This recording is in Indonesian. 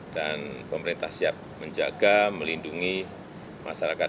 pemerintah siap menjaga melindungi masyarakat